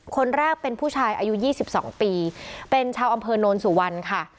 คนแรกเป็นผู้ชายอายุ๒๒ปีเป็นชาวอำเภอโนนสุวรรณค่ะ